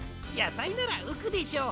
さいならうくでしょう。